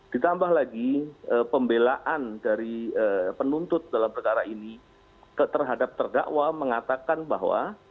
ditambah lagi pembelaan dari penuntut dalam perkara ini terhadap terdakwa mengatakan bahwa